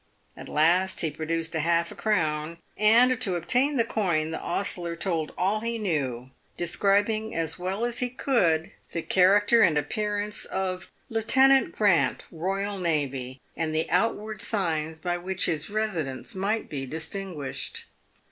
At last he produced half a crown, and, to obtain the coin, the ostler told all he knew, describing as well as he could the character and appearance of Lieutenant Grant, E.jST., and the outward signs by which his residence might be distinguished.